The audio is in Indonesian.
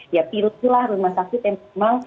ya pirut pula rumah sakit yang semang